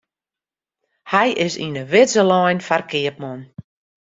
Hy is yn 'e widze lein foar keapman.